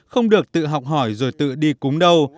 không được tự học hỏi rồi tự đi cúng đâu